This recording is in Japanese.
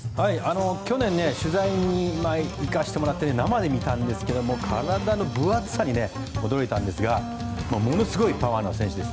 去年、取材に行かせてもらって生で見たんですけど体の分厚さに驚いたんですがものすごいパワーの選手です。